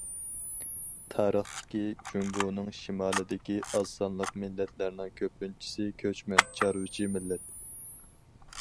تارىختىكى جۇڭگونىڭ شىمالىدىكى ئاز سانلىق مىللەتلەرنىڭ كۆپىنچىسى كۆچمەن چارۋىچى مىللەت.